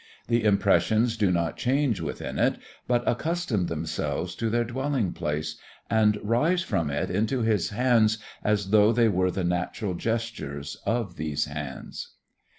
The impressions do not change within it but accustom themselves to their dwelling place and rise from it into his hands as though they were the natural gestures of these hands.